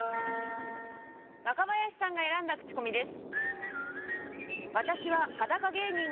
若林さんが選んだクチコミです。